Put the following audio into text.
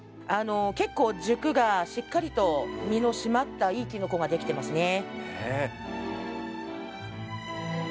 結構、軸がしっかりと実の締まったいいきのこができてますね。